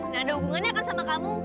gak ada hubungannya kan sama kamu